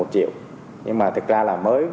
một mươi một triệu nhưng mà thật ra là mới